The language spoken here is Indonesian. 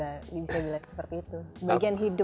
bagaimana bisa dibilang seperti itu